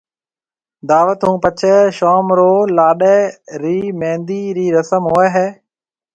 دعوت ھون پڇَي شوم رو لاڏَي ري مھندِي رِي رسم ھوئيَ ھيََََ